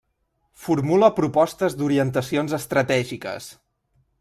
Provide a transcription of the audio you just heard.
Formula propostes d'orientacions estratègiques.